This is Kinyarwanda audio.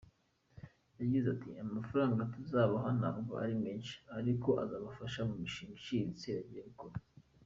Yagize ati”Amafaranga tuzabaha ntabwo ari menshi ariko azabafasha mu mishinga iciriritse bagiye gukora.